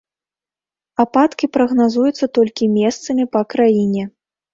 Ападкі прагназуюцца толькі месцамі па краіне.